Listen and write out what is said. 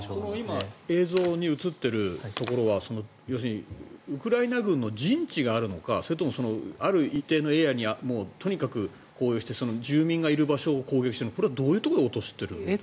今映像に映っているところはウクライナ軍の陣地があるのかそれともある一定のエリアにとにかく攻撃して住民がいる場所を攻撃しているのかどういうところに落としてるのか。